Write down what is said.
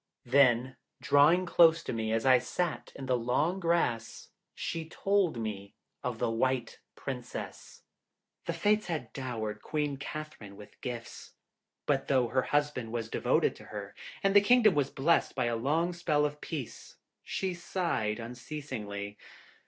Then, drawing close to me, as I sat in the long grass, she told me of The White Princess. "The fates had dowered Queen Catherine with gifts; but though her husband was devoted to her, and the kingdom was blessed by a long spell of peace, she sighed unceasingly.